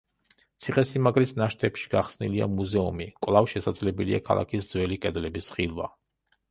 ციხესიმაგრის ნაშთებში გახსნილია მუზეუმი, კვლავ შესაძლებელია ქალაქის ძველი კედლების ხილვა.